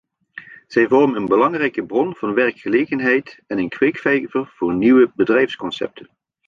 Zij vormen een belangrijke bron van werkgelegenheid en een kweekvijver voor nieuwe bedrijfsconcepten.